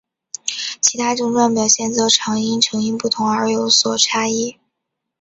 其他症状表现则常因成因不同而有所差异。